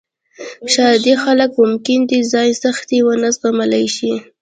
ښاري خلک ممکن د دې ځای سختۍ ونه زغملی شي